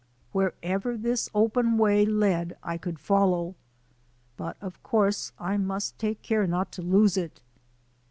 Wherever this open way led I could follow. But of course I must take care not to lose it.